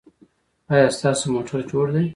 ایا ستاسو موټر جوړ دی؟